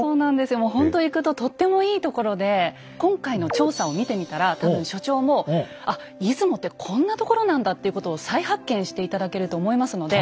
ほんと行くととってもいいところで今回の調査を見てみたら多分所長も「あ出雲ってこんなところなんだ」っていうことを再発見して頂けると思いますので。